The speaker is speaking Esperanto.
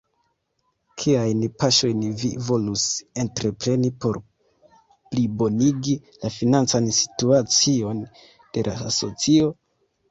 Kiajn paŝojn vi volus entrepreni por plibonigi la financan situacion de la asocio?